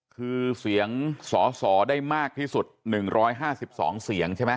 คือเสียงสอสอได้มากที่สุด๑๕๒เสียงใช่ไหม